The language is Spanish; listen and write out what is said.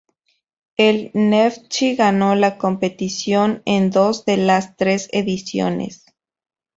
El Neftchi ganó la competición en dos de las tres ediciones.